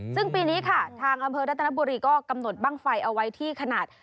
ซึ่งปีนี้ค่ะทางอำเภอรัตนบุรีก็กำหนดบ้างไฟเอาไว้ที่ขนาด